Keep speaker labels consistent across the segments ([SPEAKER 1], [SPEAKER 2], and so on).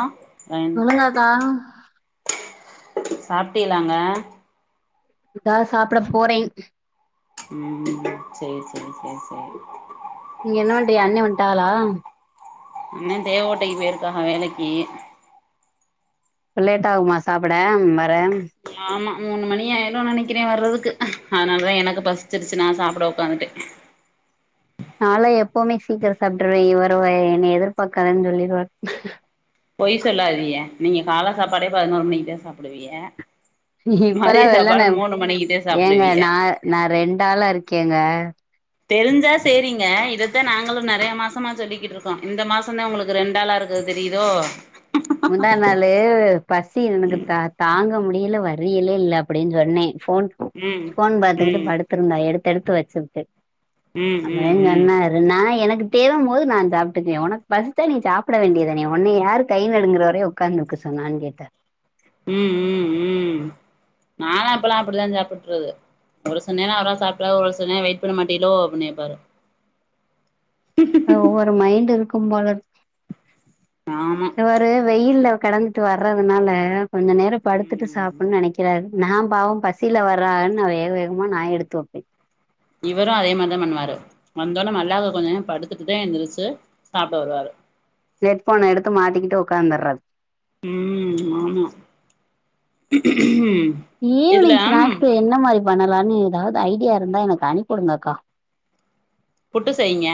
[SPEAKER 1] ஆ என்
[SPEAKER 2] சொல்லுங்கக்கா
[SPEAKER 1] சாப்ட்டிகலாங்க
[SPEAKER 2] இதா சாப்ட போறே
[SPEAKER 1] ம் சேரி சேரி சேரி சேரி
[SPEAKER 2] நீங்க என்னவண்றீங்க அண்ண வன்டாகளா
[SPEAKER 1] அண்ணே தேவ கோட்டைக்கு போயிருக்காக வேலக்கி
[SPEAKER 2] அப்ப லேட் ஆகுமா சாப்ட வர
[SPEAKER 1] ஆமா மூணு மணி ஆயிரு நெனைக்கிறே வர்றதுக்கு அதனாலதா எனக்கு பசிச்சிருச்சு நா சாப்ட ஒக்காந்துட்டே [inaudible]
[SPEAKER 2] நால்லா எப்பவுமே சீக்கிரோ சாப்ட்டுறவே இவரு என்னய எதிர்பாக்காதன்னு சொல்லிருவாரு
[SPEAKER 1] பொய் சொல்லாதிக நீங்க கால்ல சாப்பாடே பதினோரு மணிக்குதா சாப்டுவீய
[SPEAKER 2] இப்பல்லா
[SPEAKER 1] மதிய சாப்பாடு
[SPEAKER 2] வெள்ளண
[SPEAKER 1] மூணு மணிக்குதா
[SPEAKER 2] ஏங்க
[SPEAKER 1] சாப்டுவீய
[SPEAKER 2] நா நா ரெண்டு ஆளா இருக்கேங்க
[SPEAKER 1] தெரிஞ்சா சேரிங்க இதத்தே நாங்களு நெறயா மாசமா சொல்லிக்கிட்டு இருக்கோ இந்த மாசோ தா ஒங்களுக்கு ரெண்டு ஆளா இருக்க றது தெரியுதோ
[SPEAKER 2] முந்தா நாளு பசி எனக்கு தா தாங்க முடியல வர்றீகளா இல்ல அப்டின் சொன்னே போன்
[SPEAKER 1] ம்
[SPEAKER 2] போன் பாத்துக்கிட்டு
[SPEAKER 1] ம்
[SPEAKER 2] படுத்திருந்தா எடுத்து எடுத்து வச்சுக்கிட்டு
[SPEAKER 1] ம்
[SPEAKER 2] அதே
[SPEAKER 1] ம் ம்
[SPEAKER 2] சொன்னாரு நா எனக்கு தேவ போது நா சாப்ட்டுக்குவே ஒனக்கு பசிச்சா நீ சாப்ட வேண்டியதானே ஒன்னய யாரு கை ங்கிறவரையு ஒக்காந்திருக்க சொன்னானு கேட்டாரு
[SPEAKER 1] ம் ம் ம் நாலா இப்பெல்லா அப்டித்தா சாப்பிட்டுறது ஒரு சில நேரோ அவரா சாப்ட்ருவாரு ஒரு சில நேரோ வெயிட் பண்ண மாட்டீளோ அப்டின்னு கேப்பாரு
[SPEAKER 2] ஒவ்வொரு மைண்ட் இருக்கும் போலருக்கு
[SPEAKER 1] ஆமா
[SPEAKER 2] இவரு வெயில்ல கெடந்துட்டு வர்றதுனால கொஞ்ச நேரோ படுத்துட்டு
[SPEAKER 1] ம்
[SPEAKER 2] சாப்ன்னு நெனக்கிறாரு நா பாவோ பசில வர்றாகனு நா வேக வேகமா நா எடுத்து வப்பே
[SPEAKER 1] இவரு அதே மாரிதா பண்ணுவாரு வந்தொடனே மல்லாக்கா கொஞ்சோ நேரொ படுத்துட்டுதா எந்திரிச்சு சாப்ட வருவாரு
[SPEAKER 2] ஹெட் போனே எடுத்து மாட்டிக்கிட்டு உட்காந்தறது
[SPEAKER 1] உம் ஆமா ம்
[SPEAKER 2] ஈவ்னிங் ஸ்நாக்ஸ் என்ன மாரி பண்ணலானு ஏதாவது ஐடியா இருந்தா எனக்கு அனுப்புடுங்க அக்கா
[SPEAKER 1] புட்டு செய்ங்க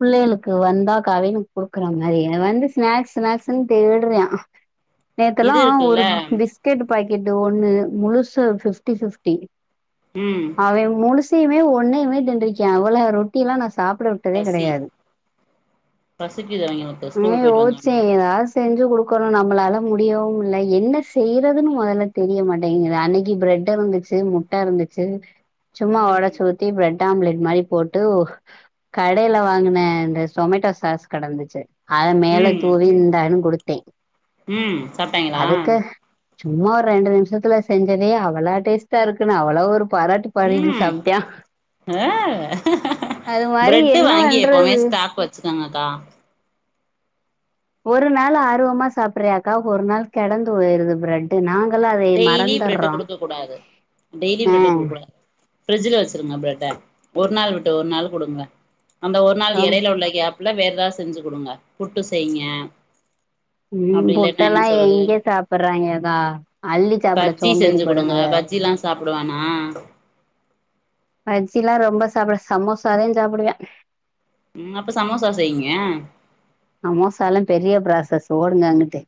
[SPEAKER 2] பிள்ளைகளுக்கு வந்தா கவினுக்கு குடுக்ற மாதிரி வந்து ஸ்நாக்ஸ் ஸ்நாக்ஸ்ன்னு தேட்ரியா நேத்தெல்லா
[SPEAKER 1] இது இருக்குல்ல
[SPEAKER 2] ஒரு பிஸ்கெட் பாக்கெட் ஒண்ணு முழுசு பிப்டி பிப்டி
[SPEAKER 1] ம்
[SPEAKER 2] அவே முழுசையுமே ஒன்னையுமே திண்றிக்கே அவ்ளோ ரொட்டில்லா நா சாப்ட குடுத்ததே
[SPEAKER 1] பசி
[SPEAKER 2] கெடையாது
[SPEAKER 1] பசிக்குது அவிங்களுக்கு
[SPEAKER 2] அத
[SPEAKER 1] ஸ்கூல் போயிட்டு
[SPEAKER 2] ஓஸ்ச்சே
[SPEAKER 1] வந்தோனே
[SPEAKER 2] ஏதாது செஞ்சு குடுக்கனு நம்லால முடியவு இல்ல என்ன செய்றதுன்னு மொதல்ல தெரிய மாட்டேங்குது அன்னைக்கு ப்ரெட் பிரேட் இருந்துச்சு முட்ட இருந்துச்சு சும்மா
[SPEAKER 1] ம்
[SPEAKER 2] உடைச்சிஊத்தி ப்ரெட் ஆம்லெட் மாரி போட்டு கடையில வாங்குன இந்த சொமேட்டோ சாஸ் கடந்துச்சு அத மேல
[SPEAKER 1] ம்
[SPEAKER 2] தூவி இந்தான்னு குடுத்து
[SPEAKER 1] ம் சாப்ட்டாய்ங்லா
[SPEAKER 2] சும்மா ஒரு ரெண்டு நிம்ஷத்துல செஞ்சதே அவளோ டேஸ்ட்டா இருக்குன்னு அவளோ ஒரு பாராட்டு பாடிட்டு
[SPEAKER 1] ம்
[SPEAKER 2] சாப்ட்ய்யா
[SPEAKER 1] ஆ
[SPEAKER 2] அத மாரி என்ன பண்றது
[SPEAKER 1] தாங்கக்கா
[SPEAKER 2] ஒரு நாள் ஆர்வமா சாப்ட்ரியாக்கா ஒரு நாள் கெடந்து போய்ருது ப்ரெட் நா
[SPEAKER 1] டெய்லி ப்ரெட்டு குடுக்கக் கூடாது டெய்லி ப்ரெட்டு
[SPEAKER 2] ஆ.
[SPEAKER 1] குடுக்க கூடாது ப்ரிட்ஜ்ல வச்ருங்க ப்ரெட் ஒரு நாள் விட்டு ஒரு நாள் குடுங்க அந்த ஒரு நாள்
[SPEAKER 2] அம்
[SPEAKER 1] எடையில உள்ள கேப் ல வேறதாவது செஞ்சு குடுங்க புட்டு செய்ங்க
[SPEAKER 2] ம்
[SPEAKER 1] அப்டி இல்லன்னா என்ன
[SPEAKER 2] புட்டல்லா
[SPEAKER 1] சொல்றது
[SPEAKER 2] எங்க சாப்டுறாய்ங்க கா
[SPEAKER 1] பஜ்ஜி செஞ்சு குடுங்க பஜ்ஜில்லா சாப்டுவானா
[SPEAKER 2] பஜ்ஜில்லா ரொம்ப சாப்டு சமோசாதே சாப்பிடுவ
[SPEAKER 1] ம் அப்ப சமோசா செய்ங்க
[SPEAKER 2] சமோசால பெரிய ப்ராசஸ் ஓடுங்க அங்குட்டு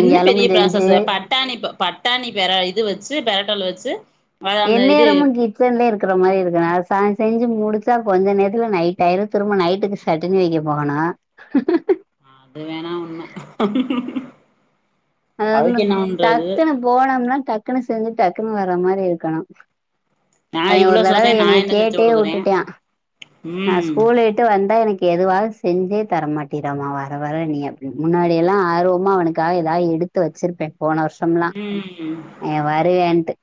[SPEAKER 1] என்ன பெரிய ப்ராசஸ்
[SPEAKER 2] செஞ்சு
[SPEAKER 1] பட்டாணி பட்டாணி பெர இது வச்சு பெரட்டல் வச்சு அத அந்த இது
[SPEAKER 2] என்நேரமு கிச்சன்லியே இருக்ற மாரி இருக்கு அத செஞ்சு முடிச்சா கொஞ்ச நேரத்துல நைட் ஆயிரு திரும்ப நைட்டுக்கு சட்டினி வைக்க போகணு
[SPEAKER 1] அது வேணா உண்ம
[SPEAKER 2] அ
[SPEAKER 1] அதுக்கு என்ன பண்றது
[SPEAKER 2] டக்குனு போனம்னா டக்குனு செஞ்சு டக்குன்னு வர மாரி இருக்கணு
[SPEAKER 1] நா
[SPEAKER 2] அவே
[SPEAKER 1] இவ்ளோ
[SPEAKER 2] ஒரு தடவ
[SPEAKER 1] சொல்றே நா
[SPEAKER 2] என்னய
[SPEAKER 1] என்ன செஞ்சு
[SPEAKER 2] கேட்டே
[SPEAKER 1] குடுக்குறே
[SPEAKER 2] உட்டுட்டா நான்
[SPEAKER 1] ம்
[SPEAKER 2] ஸ்கூலவிட்டு வந்தா எனக்கு எதுவாவது செஞ்சே தரமாட்டிரமா வர வர நீ அப்டி முன்னாடியல்லா ஆர்வமா அவனுக்காக ஏதாவது எடுத்து வச்சிருப்பே போன வர்ஷம்லா
[SPEAKER 1] ம்
[SPEAKER 2] இவ வருவேன்ட்டு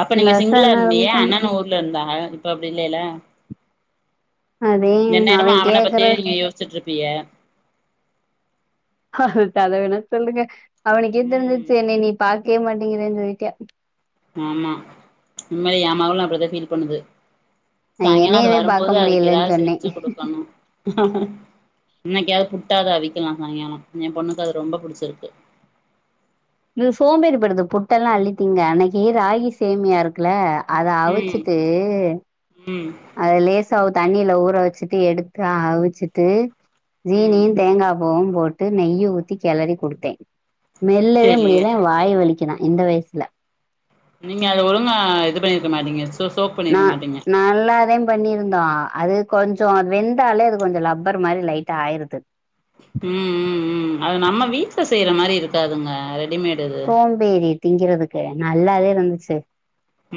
[SPEAKER 1] அப்ப
[SPEAKER 2] இந்த
[SPEAKER 1] நீங்க
[SPEAKER 2] வருஷ
[SPEAKER 1] சிங்குளா
[SPEAKER 2] என்ன
[SPEAKER 1] இருந்திஹே
[SPEAKER 2] பண்
[SPEAKER 1] அண்ணனு ஊர்ல இருந்தாங்க இப்ப அப்டி இல்லல்ல
[SPEAKER 2] அதே
[SPEAKER 1] என்
[SPEAKER 2] அவ
[SPEAKER 1] நேரமு அவன
[SPEAKER 2] கேக்குற
[SPEAKER 1] பத்யே நீங்க யோசிச்சிட்டு இருப்பீஹ
[SPEAKER 2] அத வேணா சொல்லுங்க அவனுக்கே
[SPEAKER 1] ம்
[SPEAKER 2] தெரிஞ்சிருச்சு என்ன நீ பாக் க்கே மாட்டேங்ற சொல்லிட்யா
[SPEAKER 1] ஆமா உண்மை ஏமகளு அப்டிதா பீல் பண்ணுது
[SPEAKER 2] நா
[SPEAKER 1] சாய்ங்காலோ அது
[SPEAKER 2] என்னையவே பாக்க
[SPEAKER 1] வருபோது அதுக்கு
[SPEAKER 2] முடியலன்னு
[SPEAKER 1] ஏதாவது
[SPEAKER 2] சொன்னே
[SPEAKER 1] செஞ்சு குடுக்கணு இன்னைக்காவது புட்டாவது அவிக்கலா சாய்ங்காலோ என் பொண்ணுக்கு அது ரொம்ப புிடிச்சிருக்கு
[SPEAKER 2] இது சோம்பேறிப்படுது புட்டெல்லா அள்ளித்திங்க அன்னைக்கு ராகி சேமியா இருக்ல அத
[SPEAKER 1] ம்
[SPEAKER 2] அவிச்சிட்டு
[SPEAKER 1] ம்
[SPEAKER 2] அது லேஸ் ஆ தண்ணில ஊற வச்சிட்டு எடுத்து அவிச்சிட்டு
[SPEAKER 1] ம்
[SPEAKER 2] ஜீனியு தேங்காவு ம் போட்டு நெய்ய ஊத்தி கெளறி குடுத்தே மெல்லவே
[SPEAKER 1] செரி
[SPEAKER 2] முடில வாய் வலிக்கு ரா இந்த வயசுல
[SPEAKER 1] நீங்க அது ஒழுங்க இது பண்ணிருக்க மாட்டிங்க
[SPEAKER 2] ந நல்லாதே பண்ணியிருந்தோ அது கொஞ்ச அது வெந்தாலே அது கொஞ்ச லப்பர் மாரி லைட்டா ஆயிருது
[SPEAKER 1] ம் ம் ம் அது நம்ம வீட்ல செய்ற மாரி இருக்காதுங்க ரெட்
[SPEAKER 2] சோம்பேறி திங்கிறதுக்கு நல்லாதே இருந்துச்சு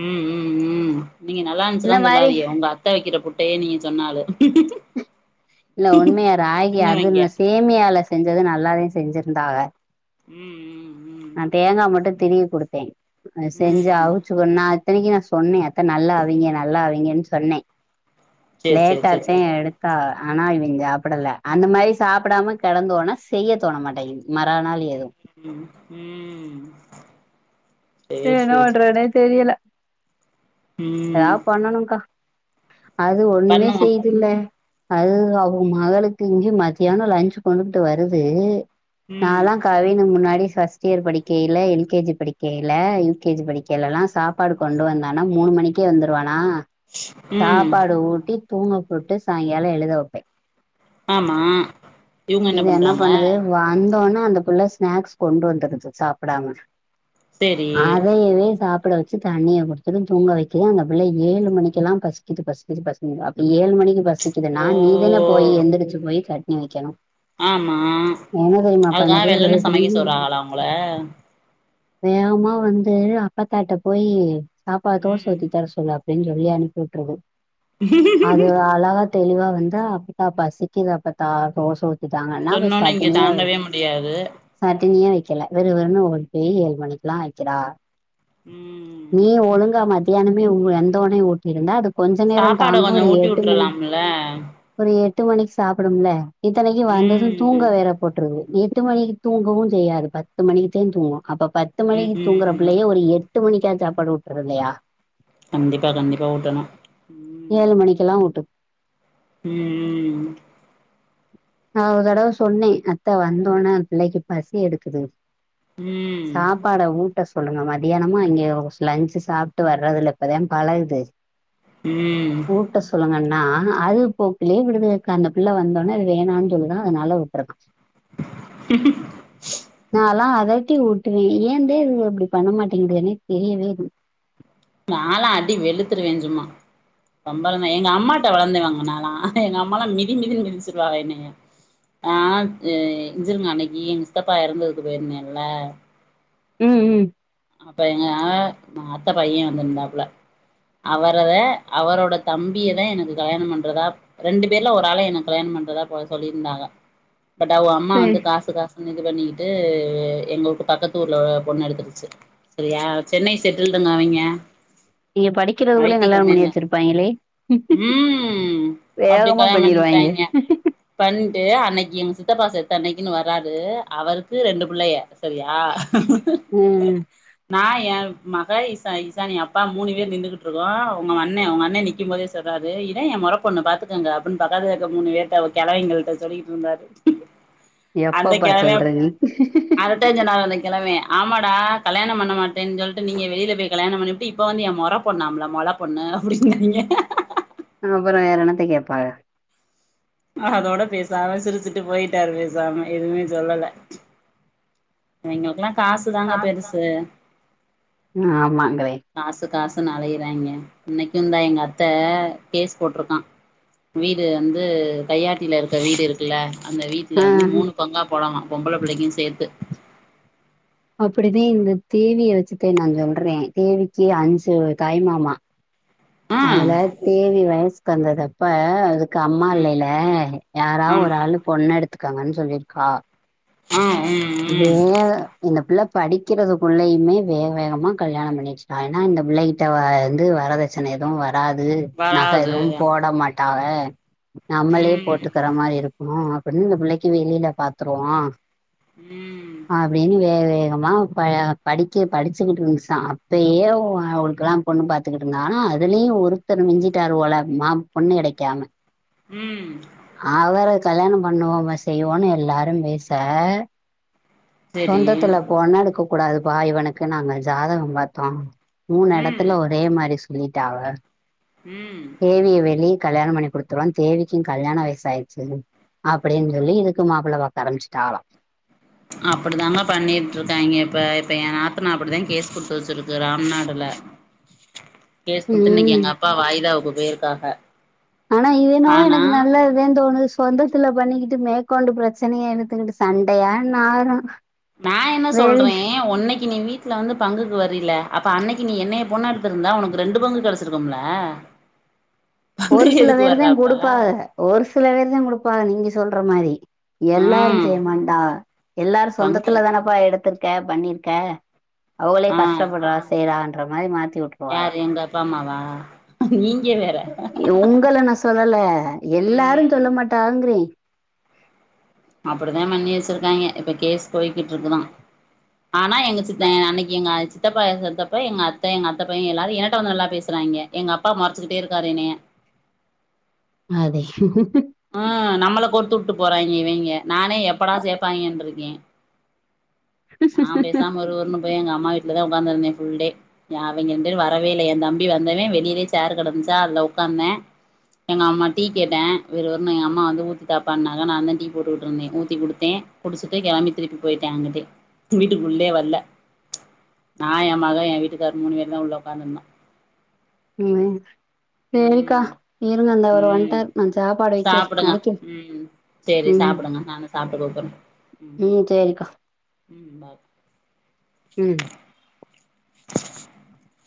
[SPEAKER 1] ம் ம் ம் நீங்க நல்லா இருந்துச்சுலா
[SPEAKER 2] இந்த மாரி
[SPEAKER 1] சொல்லாதீக உங்க அத்த வக்கிற புட்டையே நீங்க சொன்ன ஆளு
[SPEAKER 2] இல்ல உண்மையா ராகி அது
[SPEAKER 1] சின்னவைங்க
[SPEAKER 2] நா சேமியால செஞ்சது நல்லாதே செஞ்சிருந்தா அவ
[SPEAKER 1] ம் ம்
[SPEAKER 2] நா தேங்கா மட்டு திருவி குடுத்தே அது
[SPEAKER 1] ம்
[SPEAKER 2] செஞ்சா
[SPEAKER 1] ம்
[SPEAKER 2] அவுச்சு ஒன்னா அத்தனைக்கி நா சொன்னே அத்த நல்லா அவிங்க நல்லா அவிங்கன்னு சொன்னே
[SPEAKER 1] சேரி சேரி சேரி
[SPEAKER 2] தே
[SPEAKER 1] சேரி
[SPEAKER 2] எடுத்தா ஆனா இவன் சாப்புடல அந்த மாரி சாப்புடாம கெடந்தோனா செய்யத் தோண மாட்டேங்கிது மறாநாள் எதுவு
[SPEAKER 1] ம் ம்
[SPEAKER 2] சேரி என்ற பண்றதுன்னே தெரியல
[SPEAKER 1] ம்
[SPEAKER 2] ஏதாவது பண்ணனுக்கா அது ஒன்னுமே
[SPEAKER 1] பண்ணுவோ
[SPEAKER 2] செய்துல்ல அது அவுங்க மகளுக்கு இங்கியு மத்தியான லன்ச்சு கொண்டுட்டு வருது
[SPEAKER 1] ம்
[SPEAKER 2] நாலா கவினு முன்னாடி ஃபஸ்ட் இயர் படிக்கையில எல் கே ஜி படிக்க யில யூ கே ஜி படிக்கையிலல்லா சாப்பாடு கொண்டு வந்தானா மூணு மணிக்கே வந்துருவானா
[SPEAKER 1] ம்
[SPEAKER 2] சாப்பாடு ஊட்டி தூங்க போட்டு சாய்ங்கால எழுத வப்பே
[SPEAKER 1] ஆமா இவுங்க
[SPEAKER 2] இது என்ன
[SPEAKER 1] பண்றாங்க
[SPEAKER 2] பண்ணுது வந்தோன்னே அந்த புள்ள ஸ்நாக்ஸ் கொண்டு வந்துருது சாப்புடாம
[SPEAKER 1] சேரி
[SPEAKER 2] அதையவே சாப் சாப்புட வச்சு தண்ணிய குடுத்தது தூங்க வைக்க அந்த புள்ள ஏழு மணிக்கெல்லா பசிக்குது பசிக்குது பசிக்குது அப்ப ஏ தந்தன மணிக்கு பசிக்குதுன்னா
[SPEAKER 1] ஓ
[SPEAKER 2] நீதான போய் எந்திரச்சு போய் கட்டி வக்கணு
[SPEAKER 1] ஆமா அதுக்கா
[SPEAKER 2] பண்ணுது ஒரு
[SPEAKER 1] வெள்ளன்னு சமைக்க சொல்றாகளா உங்கள
[SPEAKER 2] வேகமா வந்து அப்பத்தாட்ட போயி சாப்பாடு தோச
[SPEAKER 1] ம்
[SPEAKER 2] ஊத்தி தர சொல்லு அப்டின்னு சொல்லி அனுப்பி விட்ருது
[SPEAKER 1] [inaudible]
[SPEAKER 2] தெளிவா வந்தா அப்பத்தா பசிக்குது அப்பத்தா தோசை ஊத் தி தாங்கன்னா அப்
[SPEAKER 1] சொன்னோனே இங்க
[SPEAKER 2] சட்டினி அர
[SPEAKER 1] தாங்கவே முடியாது
[SPEAKER 2] சட் டினியே வக்கல விறு விறுன்னு ஓடி போய் ஏழு மணிக்குல்லா வக்கிறா
[SPEAKER 1] ம்
[SPEAKER 2] நீ ஒழுங்கா மத்தியானமே உங்க எந்தோனே ஊட்டியிருந்தா அது கொஞ்ச நேரம்
[SPEAKER 1] சாப்பாட
[SPEAKER 2] தாங்கு
[SPEAKER 1] கொஞ்சோ
[SPEAKER 2] ஒரு
[SPEAKER 1] ஊட்டி
[SPEAKER 2] எட்டு மணி
[SPEAKER 1] விட்டுரலாம்ல
[SPEAKER 2] ஒரு எட் டு மணிக்கு சாப்புடும்ல இத்தனைக்கு வந்ததும் தூங்க
[SPEAKER 1] ம்
[SPEAKER 2] வேற போட்ருது எட்டு மணிக்கு தூங்கவு செய்யாது பத்து மணிக்குத்தா தூங்கு அப்ப பத்து மணிக்கு
[SPEAKER 1] ம்
[SPEAKER 2] தூங்குற
[SPEAKER 1] ம்
[SPEAKER 2] புள்ளய ஒரு எட் எட்டு மணிக்கா சாப்பாடு ஊட்றதுல்லையா
[SPEAKER 1] கண்டிப்பா கண்டிப்பா ஊட்டணு
[SPEAKER 2] ஏழு மணிக்கெல்லா ஊட்டு
[SPEAKER 1] ம் ம்
[SPEAKER 2] நா ஒரு தடவ சொன்னே அத்த வந்தோன்னே அந்த புள்ளைக்கு பசி எடுக்குது
[SPEAKER 1] ம்
[SPEAKER 2] சாப்பாடை ஊட்ட சொல்லுங்க மத்தியானமு அங்க லஞ்சு சாப்ட்டு வர்றதுல்ல இப்பதா பழகுது
[SPEAKER 1] ம்
[SPEAKER 2] ஊட்ட சொல்லுங்கன்னா அது போக்குலயே விடுதுகக்கா அந்த புள்ள வந்தோன்னே வேணான்னு சொல்லுதா அதனால உட்ருக்கா
[SPEAKER 1] [inaudible]
[SPEAKER 2] நான்லாம் அதட்டி ஊட்டுவே ஏந்தே இவுங்க இப்டி பண்ண மாட்டேங்குதுனே தெரியவே இல்ல
[SPEAKER 1] நாலா அடி வெளுத்துருவே சும்மா ரொம்பலா நா எங்க அம்மாட்ட வளந்துவங்க நாலா எங்க அம்மாலா மிதி மிதின்னு மிதிச்சுருவாங்க என்னைய ஆ ஏ இஞ்சிருங்க அன்னைக்கி எங்க சி த்தப்பா எறந்ததுக்கு போயிருந்தேல்ல
[SPEAKER 2] ம் ம்
[SPEAKER 1] அப்ப எங்க மா அத்த பைய வந்துருந்தாப்புல அவரதா அவரோட தம்பியதா எனக்கு கல்யாண பண்றதா ரெண்டு பேர்ல ஒரு ஆள என்ன கல்யாண பண்றதா போல சொல்லியிருந்தாங்க பட் அவுங்க அம்மா
[SPEAKER 2] சரி
[SPEAKER 1] வந்து காசு காசுன்னு இது பண்ணிக்கிட்டு எங்களுக்கு பக்கத்தூர்ல பொண்ணு எடுத்துருச்சு செரியா சென்னை செட்டில்டுங்க அவிங்க
[SPEAKER 2] நீங்க
[SPEAKER 1] ஐ
[SPEAKER 2] படிக்கறதுக்குள்ளயே
[SPEAKER 1] டி
[SPEAKER 2] கல்யாணம் பண்ணி
[SPEAKER 1] கம்பெனில
[SPEAKER 2] வெச்சிருப்பாங்களே
[SPEAKER 1] ம் அப்டி
[SPEAKER 2] வேகமா
[SPEAKER 1] கல்யாணம்
[SPEAKER 2] பண்ணிரு வாங்கே
[SPEAKER 1] பண்ட்டாய்ங்க பண்ட்டு அன்னைக்கு எங்க சித்தப்பா செத்த அன்னைக்குன்னு வராரு அவருக்கு ரெண்டு புள்ளைய செரியா
[SPEAKER 2] ம்
[SPEAKER 1] நா என் மக இசா இசானி அப்பா மூணு பேர் நின்னுகிட்டு இருக்கோ உங்க அண்ணே உங்க அண்ண நிக்கும்போ இதே சொல்றாரு இதேயென் மொற பொண்ணு பாத்துக்கங்க அப்டின்னு பக்கத்துல இருக்க மூணு பேர்ட்ட கெழவிங்களிட்ட சொல்லிட்டு இருந்தாரு அந்த
[SPEAKER 2] எப்பப்பா சொல்ற
[SPEAKER 1] கிழவன்
[SPEAKER 2] நீ
[SPEAKER 1] அததன் சொன்னாவுங்க அந்த கிழவன் ஆமாடா கல்யாணம் பண்ண மாட்டேன்னு சொல்ட்டு நீங்க வெளியில போய் கல்யாணம் பண்ணிப்புட்டு இப்ப வந்து என் மொர பொண்ணாம்ல மொல பொண்ணு அப்டிங்கிறாங்க [inaudible]
[SPEAKER 2] அப்றோ வேற என்னத்த கேட்பாக
[SPEAKER 1] அதோட பேசாம சிரிச்சிட்டு போயிட்டாரு பேசாம எதுமே சொல்லல அவிங்களுக்கெல்லா காசுதாங்க பெருசு
[SPEAKER 2] ஆமாங்களே
[SPEAKER 1] காசு காசுனு அலையறாங்க இன்னைக்குந்தா எங்க அத்த கேஸ் போட்டிருக்கா வீடு வந்து கையாட்டில இருக்க வீடு இருக்குல்ல அந்த வீட்ல
[SPEAKER 2] ஆ
[SPEAKER 1] வந்து மூணு பங்கா போடலா பொம்பள புள்ளைக்கு சேத்து
[SPEAKER 2] அப்டிதே இந்த தேவியை வெச்சுதே நான் சொல்றேன் தேவிக்கு அஞ்சு தாய் மாமா
[SPEAKER 1] ஆ
[SPEAKER 2] அதல தேவி வயசுக்கு வந்ததப்ப அது க்கு அம்மா
[SPEAKER 1] ம்
[SPEAKER 2] இல்லையல்ல யாரா
[SPEAKER 1] ஆமா
[SPEAKER 2] ஒரு ஆள் பொண்ணு எடுத்துக்கங்கன்னு சொல்லிருக்காவ
[SPEAKER 1] ஆ ம் ம்
[SPEAKER 2] வேல இந்த புள்ள படிக்கிறதுக்குள்ளயுமே வேக வேகமா கல்யாணம் பண்ணி வெச்சிடாங்கனா இந்த புள்ளைகிட்ட வ வந்து வரதட்சணை எதுவு வ வராது நக
[SPEAKER 1] வராது
[SPEAKER 2] எதுவு போட மாட்டாவ நம்மளே போட்டுக்கற
[SPEAKER 1] ம்
[SPEAKER 2] மாரி இருக்கு அப்டின்னு இந்த புள்ளைக்கு வெளில பாத்துருவோ
[SPEAKER 1] ம்
[SPEAKER 2] அப்டின்னு வே வே எங்க அம்மா ப படிக்க படிச்சிக்கிட்டு இருந்துச்சான் அப்பயே அவு அவுளுக்கெல்லா பொண்ணு பாத்துக்கிட்டு இந்தாகனா அதுலயு ஒருத்தர் மிஞ்சிட்டாரு போல மா பொண்ணு கெடைக்காம
[SPEAKER 1] ம்
[SPEAKER 2] அவர கல்யாணம் பண்ணுவோமா செய்வோன்னு எல்லாரும் பேச
[SPEAKER 1] செரி
[SPEAKER 2] சொந்தத்துல பொன்னெடுக்க கூடாதுபா இவனுக்கு நாங்க ஜாதகம் பாத்தோ மூணு
[SPEAKER 1] ம்
[SPEAKER 2] எடத்துல ஒரே மாரி சொல்லிட்டாவ
[SPEAKER 1] ம்
[SPEAKER 2] தேவிய வெளிய கல்யாணம் பண்ணி குடுத்துருவ தேவிக்கு கல்யாண வயசு ஆயிருச்சு அப்டின்னு சொல்லி இதுக்கு மாப்புள்ள பாக்க ஆரம்பச்சிட்டாகலா
[SPEAKER 1] அப்டிதாங்க பண்ணிட்டு இருக்காங்கே இப்ப இப்ப என் நாத்தனா அப்டிதா கேஸ் குடுத்து வெச்சிருக்கு ராம்நாடு ல கேசு குடுத்து இன்னைக்கு
[SPEAKER 2] ம்
[SPEAKER 1] எங்க அப்பா வாயிதாவுக்கு போயிருக்காக
[SPEAKER 2] ஆனா இது என்னவோ
[SPEAKER 1] ஆனா
[SPEAKER 2] எனக்கு நல்லதுதான் தோணுது சொந்தத்துல பண்ணிக்கிட்டு மே கொண்டு பிரச்சனைய இழுத்துகிட்டு சண்டயா நாரு
[SPEAKER 1] நான் என்ன
[SPEAKER 2] வெளி
[SPEAKER 1] சொல்றேன் உன்னைக்கு நீ வீ ட்ல வந்து பங்குக்கு வரில்ல அப்ப அன்னைக்கு நீ என்னைய பொண்ணு எடுத்திருந்தா உனக்கு ரெண்டு பங்கு கேடைச்சிருக்கும்ல்ல [inaudible]
[SPEAKER 2] ஒரு சில வேருதான் குடுப்பாக ஒரு சில வேருதான் குடுப்பாக நீங்க சொல்ற மாரி எல்லாரு
[SPEAKER 1] ம்
[SPEAKER 2] செய்யமாட்டாவ எல்லாரு
[SPEAKER 1] பங்கு
[SPEAKER 2] சொந்தத்துல தானேப்பா எடுத்திருக்க பண்ணிருக்க அவுகளே
[SPEAKER 1] ஆ
[SPEAKER 2] கஷ்டப்படறா செய்யறான்ற மாரி மாத்தி விட்டுருவாங்க
[SPEAKER 1] யாரு எங்க அப்பா அம்மாவா நீங்
[SPEAKER 2] உங்கள நா சொல்லல எல்லாருன்
[SPEAKER 1] ம்
[SPEAKER 2] சொல்ல மாட்டாங்குறேன்
[SPEAKER 1] அப்டிதான் பண்ணி வெச்சிருக்காங்கே இப்ப கேஸ் போய்கிட்டு இருக்குதா ஆனா எங்க சித்தன் அன்னைக்கு எங்க அ சித் சித்தப்பா செத்தப்ப எங்க அத்த எங்க அத்தப்பையன் எல்லாரு என்ட்ட வந்து நல்லா பேசுறாய்ங்க எங்க அப்பா மொறச்சுகிட்டே இருக்காரு என்னய [inaudible]
[SPEAKER 2] அது
[SPEAKER 1] ஆ நம்மள கோத்து உட்டு போறாய்ங்க இவிங்க நானே எப்படா சேப்பாய்ங்கன்ருக்கே நான் பேசாம விறு விறுன்னு போயி எங்க அம்மா வீட்லதா உக்காந்திருந்தே புல்டே அவிங்க ரெண்டு பேரும் வரவே இல்ல ஏன் தம்பி வந்தவே வெளியிலே சேர் கடந்துச்சா அதுல உக்காந்தே எங்க அம்மா டீ கேட்டே விறு விறுன்னு எங்க அம்மா வந்து ஊத்தி தாப்பான்னாங்க நாந்தான் டீ போட்டுக்கிட்ருந்தே ஊத்தி குடுத்தே குடிச்சுட்டு கெளம்பி திருப்பி போயிட்டே அங்குட்டு வீட்டுக்குள்ளே வரல நா ஏன் மகன் ஏன் வீட்டுக்கார் மூணு பேருந்தா உள்ள உக்காந்துருந்தோ
[SPEAKER 2] [unintelligible] சேரிக்கா
[SPEAKER 1] ம்
[SPEAKER 2] இருங்க அந்த அவர்
[SPEAKER 1] ம்
[SPEAKER 2] வந்துட்டார் நான் சாப்பாடு வைக்கிறே அடிக்கிறே
[SPEAKER 1] செரி
[SPEAKER 2] ம்
[SPEAKER 1] சாப்புடுங்க நானும் சாப்ட்டு கூப்புட்றே
[SPEAKER 2] ம் சேரிக்கா
[SPEAKER 1] ம் பாய்
[SPEAKER 2] ம்
[SPEAKER 1] [inaudible]